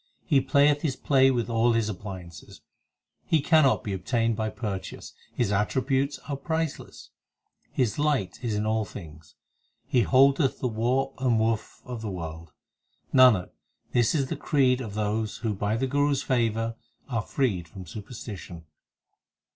He playeth His play with all His appliances ; He cannot be obtained by purchase, His attributes are priceless ; His light is in all things. He holdeth the warp and woof of the world. Nanak, this is the creed of those who By the Guru s favour are freed from superstition.